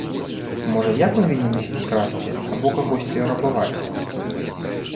Можа, я павінен ісці красці або кагосьці рабаваць?